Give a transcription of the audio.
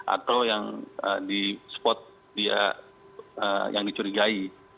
atau yang di spot dia yang dicurigai